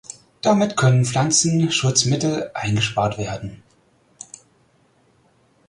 Damit können Pflanzenschutzmittel eingespart werden.